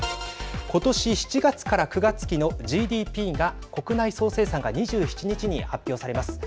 今年７月から９月期のＧＤＰが国内総生産が２７日に発表されます。